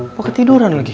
apa ketiduran lagi